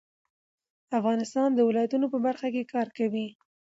افغانستان د ولایتونو په برخه کې کار کوي.